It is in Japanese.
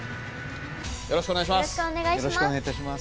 よろしくお願いします。